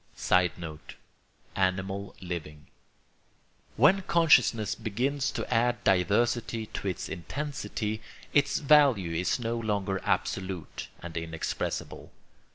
[Sidenote: Animal living.] When consciousness begins to add diversity to its intensity, its value is no longer absolute and inexpressible.